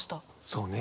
そうね。